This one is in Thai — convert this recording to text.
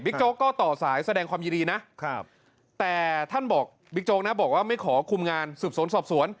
โจ๊กก็ต่อสายแสดงความยินดีนะแต่ท่านบอกบิ๊กโจ๊กนะบอกว่าไม่ขอคุมงานสืบสวนสอบสวน